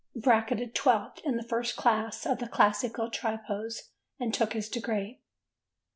Bracketed 12th in the first class of the Classical Tripos and took his degree.